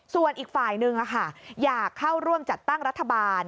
ส่วนอีกฝ่ายหนึ่งอยากเข้าร่วมจัดตั้งรัฐบาล